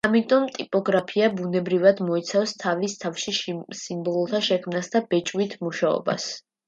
ამიტომ ტიპოგრაფია ბუნებრივად მოიცავს თავის თავში სიმბოლოთა შექმნას და ბეჭდვით მუშაობას.